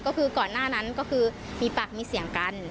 ก็คือก่อนหน้านั้นก็คือมีปากมีเสียงกัน